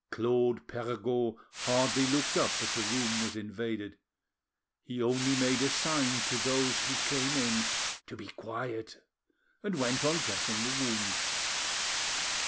Claude Perregaud hardly looked up as the room was invaded; he only made a sign to those—who came in to be quiet, and went on dressing the wound.